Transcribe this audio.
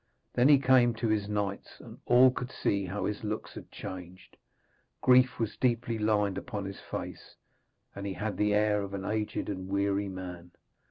Then he came to his knights, and all could see how his looks had changed. Grief was deeply lined upon his face, and he had the air of an aged and weary man.